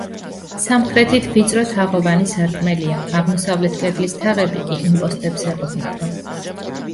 სამხრეთით ვიწრო თაღოვანი სარკმელია, აღმოსავლეთ კედლის თაღები კი იმპოსტებს ეყრდნობა.